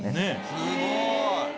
すごい！